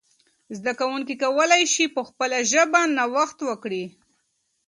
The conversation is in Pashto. زده کوونکي کولای سي په خپله ژبه نوښت وکړي.